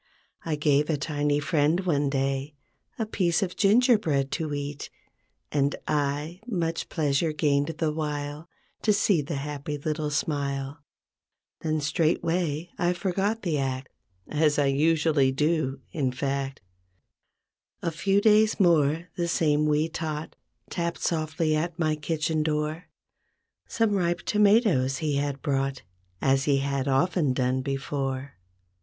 I gave a tiny friend, one day, A piece of gingerbread to eat, And 1, much pleasure gained the while To see the happy little smile. Then straightway I forgot the act As usually I do, in fact. A few days more, the same wee tot Tapped softly at my kitchen door. Some ripe tomatoes he had brought As he had often done before.